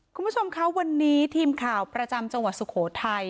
คุณผู้ชมคะวันนี้ทีมข่าวประจำจังหวัดสุโขทัย